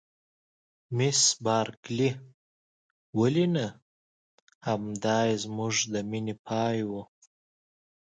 مس بارکلي: ولې نه؟ همدای زموږ د مینې پای و.